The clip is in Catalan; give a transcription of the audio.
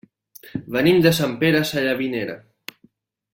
Venim de Sant Pere Sallavinera.